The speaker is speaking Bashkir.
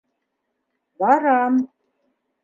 — Барам.